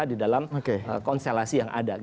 di dalam konstelasi yang ada